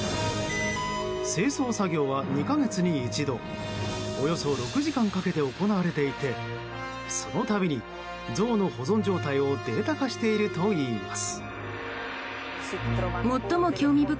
清掃作業は２か月に一度およそ６時間かけて行われていてそのたびに像の保存状態をデータ化しているといいます。